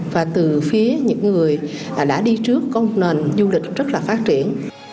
và từ phía những người đã đi trước công nền du lịch rất là phát triển